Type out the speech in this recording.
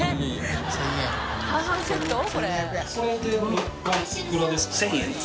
・１０００円です。